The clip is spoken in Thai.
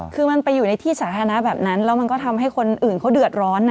คือมันไปอยู่ในที่สาธารณะแบบนั้นแล้วมันก็ทำให้คนอื่นเขาเดือดร้อน